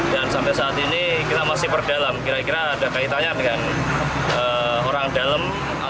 dan sampai saat ini kita masih berdalam kira kira ada kaitannya dengan orang dalam